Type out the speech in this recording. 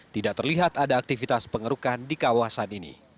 tidak terlihat ada aktivitas pengerukan di kawasan ini